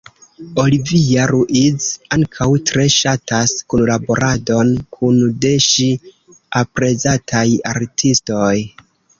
Olivia Ruiz ankaŭ tre ŝatas kunlaboradon kun de ŝi aprezataj artistoj.